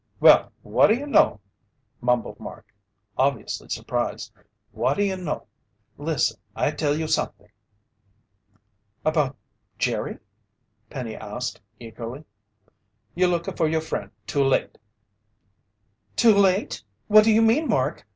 "Well, what do y'know!" mumbled Mark, obviously surprised. "What do y'know! Listen, I tell you something!" "About Jerry?" Penny asked eagerly. "You looka for your friend too late!" "Too late? What do you mean, Mark?